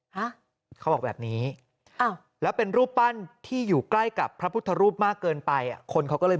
ฮะเขาบอกแบบนี้อ้าวแล้วเป็นรูปปั้นที่อยู่ใกล้กับพระพุทธรูปมากเกินไปอ่ะคนเขาก็เลย